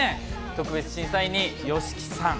特別審査員にＹＯＳＨＩＫＩさん。